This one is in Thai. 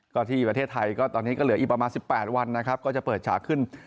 ก็ที่ประเทศไทยก็ตอนนี้ก็เหลืออีกประมาณ๑๘วันนะครับก็จะเปิดฉากขึ้น